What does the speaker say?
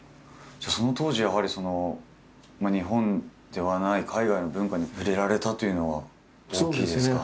じゃあその当時やはり日本ではない海外の文化に触れられたというのは大きいですか？